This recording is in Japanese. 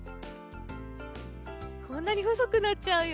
こんなにほそくなっちゃうよ。